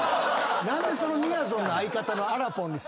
何でみやぞんの相方のあらぽんにすんねん。